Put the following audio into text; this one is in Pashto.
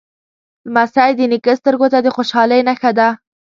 لمسی د نیکه سترګو ته د خوشحالۍ نښه ده.